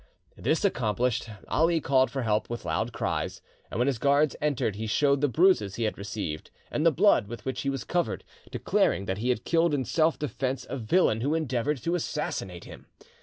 This accomplished, Ali called for help with loud cries, and when his guards entered he showed the bruises he had received and the blood with which he was covered, declaring that he had killed in self defence a villain who endeavoured to assassinate him.